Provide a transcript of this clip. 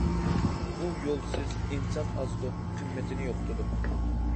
بۇ يولسىز، ئىنسان ئازىدۇ، قىممىتىنى يوقىتىدۇ.